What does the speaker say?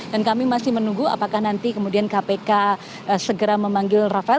dan kami masih menunggu apakah nanti kemudian kpk segera memanggil rafael